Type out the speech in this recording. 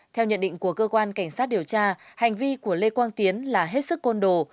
theo nhận định của cơ quan cảnh sát điều tra hành vi của lê quang tiến là hết sức côn đồ